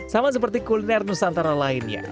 sama seperti kuliner nusantara lainnya